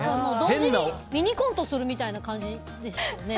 ミニコントするみたいな感じですよね。